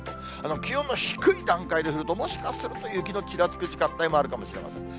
気温の低い段階で降ると、もしかすると雪のちらつく時間帯もあるかもしれません。